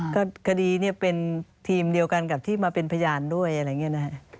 ก็คดีเป็นทีมเดียวกันกับที่มาเป็นพยานด้วย